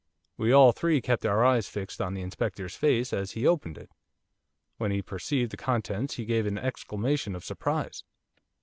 We all three kept our eyes fixed on the inspector's face as he opened it. When he perceived the contents he gave an exclamation of surprise.